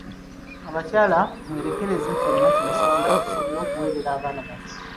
Abakyala mwerekereze kyonna kye musobola tusobole okuweerera abaana baffe.